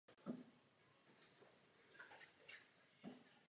Ráda bych skončila poděkováním zpravodajce Fajonové.